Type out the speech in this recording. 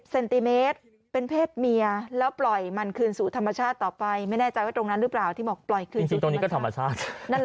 เซนติเมตรเป็นเพศเมียแล้วปล่อยมันคืนสูท